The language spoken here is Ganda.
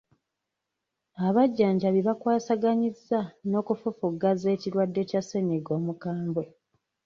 Abajjanjabi bakwasaganyizza n'okufufugaza ekirwadde kya ssennyiga omukambwe.